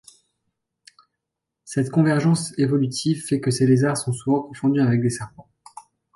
Cette convergence évolutive fait que ces lézards sont souvent confondus avec des serpents.